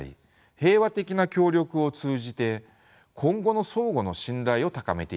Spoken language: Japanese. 平和的な協力を通じて今後の相互の信頼を高めていくべきです。